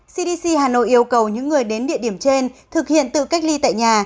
cdc hà nội yêu cầu những người đến địa điểm trên thực hiện tự cách ly tại nhà